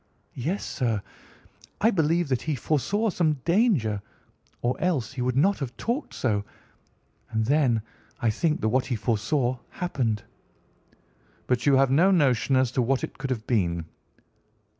"Yes, sir. I believe that he foresaw some danger, or else he would not have talked so. And then I think that what he foresaw happened." "But you have no notion as to what it could have been?"